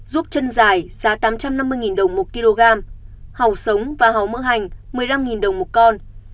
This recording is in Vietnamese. rút chân dài giá tám trăm năm mươi đồng một kg hàu sống và hàu mỡ hành một mươi năm đồng một con